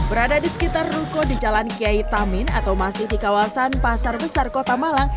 berada di sekitar ruko di jalan kiai tamin atau masih di kawasan pasar besar kota malang